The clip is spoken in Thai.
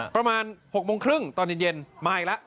ประมาณ๖โมงครึ่งตอนเย็นมาอีกแล้ว